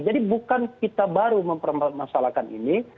jadi bukan kita baru mempermasalahkan ini